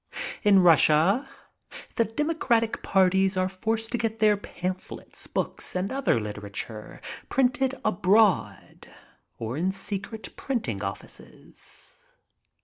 In Russia the democratic parties are f <Hced to get their pamphlets, Ixk^, or other literature printed abroad, or in secret printing offices.